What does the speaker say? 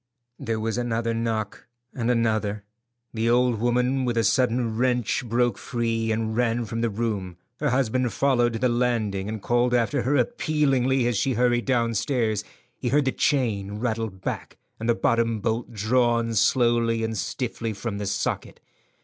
There was another knock, and another. The old woman with a sudden wrench broke free and ran from the room. Her husband followed to the landing, and called after her appealingly as she hurried downstairs. He heard the chain rattle back and the bottom bolt drawn slowly and stiffly from the socket.